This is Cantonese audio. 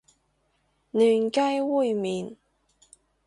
嫩雞煨麵